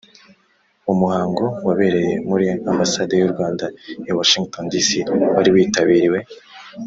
Mu muhango wabereye muri Ambasade y u Rwanda i Washington D C wari witabiriwe